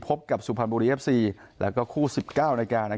พบกับสุพรรณบุรีเอฟซีแล้วก็คู่๑๙นาที